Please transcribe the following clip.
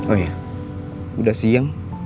oh iya udah siang